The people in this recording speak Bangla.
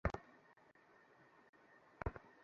আমি বললুম, কাঁটাগাছ, যার আবাদে কোনো খরচ নেই।